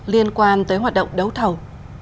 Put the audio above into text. liên quan tới hoạt động đấu thầu